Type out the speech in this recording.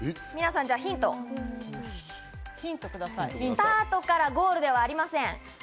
スタートからゴールではありません。